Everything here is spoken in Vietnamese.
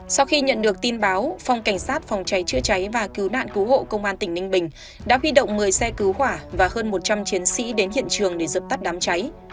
sau khi nhận được tin báo phòng cảnh sát phòng cháy chữa cháy và cứu nạn cứu hộ công an tỉnh ninh bình đã huy động một mươi xe cứu hỏa và hơn một trăm linh chiến sĩ đến hiện trường để dập tắt đám cháy